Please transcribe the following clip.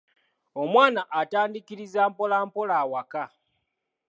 Omwana atandiikiriza mpolampola awaka.